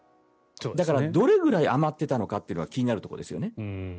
だからどれぐらい余っていたのかというのは気になるところですね。